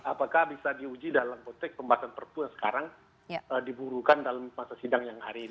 apakah bisa diuji dalam konteks pembahasan perpu yang sekarang diburukan dalam masa sidang yang hari ini